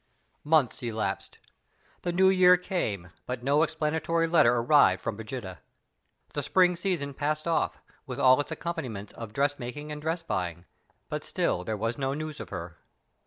Months elapsed The new year came; but no explanatory letter arrived from Brigida. The spring season passed off, with all its accompaniments of dressmaking and dress buying, but still there was no news of her.